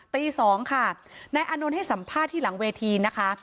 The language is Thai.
ตี๒ค่ะนายอานนท์ให้สัมภาษณ์ที่หลังเวทีนะคะ